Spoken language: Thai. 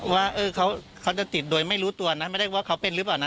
ว่าเขาจะติดโดยไม่รู้ตัวนะไม่ได้ว่าเขาเป็นหรือเปล่านะ